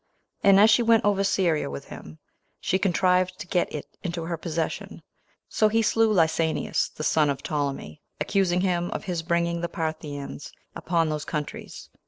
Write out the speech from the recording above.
And as she went over Syria with him, she contrived to get it into her possession; so he slew Lysanias, the son of Ptolemy, accusing him of his bringing the Parthians upon those countries.